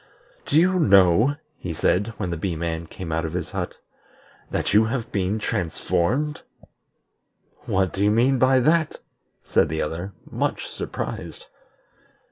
"Do you know," he said, when the Bee man came out of his hut, "that you have been transformed?" "What do you mean by that?" said the other, much surprised.